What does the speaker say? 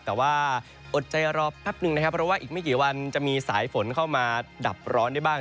แต่ว่าอดใจรอแป๊บนึงนะครับเพราะว่าอีกไม่กี่วันจะมีสายฝนเข้ามาดับร้อนได้บ้าง